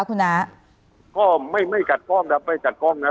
คุณน้าข้อมไม่ไม่กัดข้อมนะไม่กัดข้อมนะ